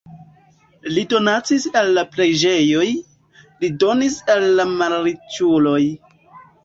Li donacis al la preĝejoj, li donis al la malriĉuloj.